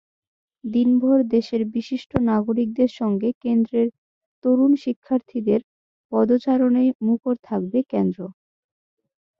দিনভর দেশের বিশিষ্ট নাগরিকদের সঙ্গে কেন্দ্রের তরুণ শিক্ষার্থীদের পদচারণে মুখর থাকবে কেন্দ্র।